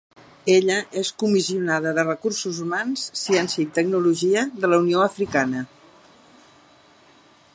Ella és Comissionada de Recursos Humans, Ciència i Tecnologia de la Unió Africana